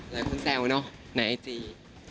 คนแซวเนอะในไอจี